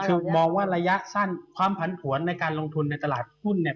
คือมองว่าระยะสั้นความผันผวนในการลงทุนในตลาดหุ้นเนี่ย